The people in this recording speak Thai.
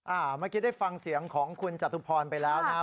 เมื่อกี้ได้ฟังเสียงของคุณจตุพรไปแล้วนะครับ